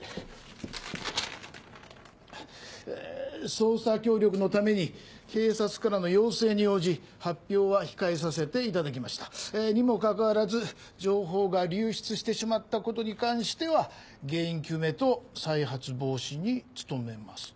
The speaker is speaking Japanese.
「捜査協力のために警察からの要請に応じ発表は控えさせていただきましたにも関わらず情報が流出してしまったことに関しては原因究明と再発防止に努めます」。